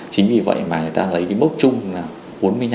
chính vì vậy mà người ta lấy cái mốc chung là bốn mươi năm